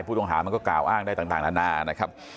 ผู้ต้องหาก็กล่าวอ้างได้ต่างนานา